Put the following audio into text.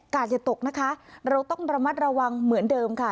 อย่าตกนะคะเราต้องระมัดระวังเหมือนเดิมค่ะ